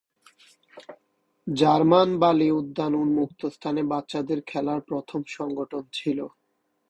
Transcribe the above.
German বালি উদ্যান উন্মুক্ত স্থানে বাচ্চাদের খেলার প্রথম সংগঠন ছিল।